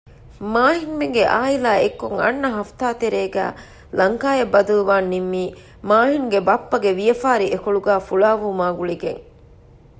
މާހިންމެންގެ އާއިލާ އެއްކޮށް އަންނަ ހަފްތާތެރޭގައި ލަންކާއަށް ބަދަލުވާން ނިންމީ މާހިންގެ ބައްޕަގެ ވިޔަވާރި އެކޮޅުގައި ފުޅާވުމާ ގުޅިގެން